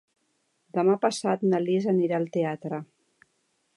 Demà passat na Lis anirà al teatre.